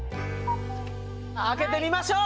開けてみましょう！